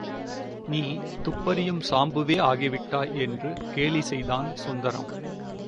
நீ, துப்பறியும் சாம்புவே ஆகிவிட்டாய் என்று கேலி செய்தான் சுந்தரம்.